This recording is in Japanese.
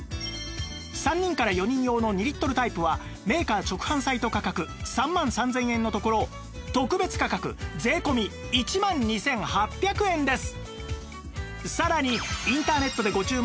３人から４人用の２リットルタイプはメーカー直販サイト価格３万３０００円のところ特別価格税込１万２８００円です